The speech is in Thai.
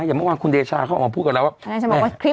อย่ามาวางคุณเดชาเขามาพูดกับเราแหละ